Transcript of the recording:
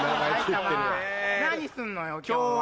何すんのよ今日は。